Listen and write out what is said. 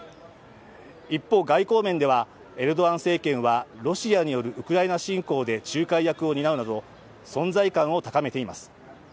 一方、外交面ではエルドアン政権はロシアによるウクライナ侵攻で仲介役を担うなど存在感を高めています。